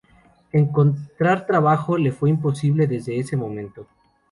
Encontrar trabajo le fue imposible desde ese momento.